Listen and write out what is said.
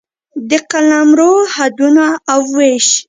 د قلمرو حدونه او وېش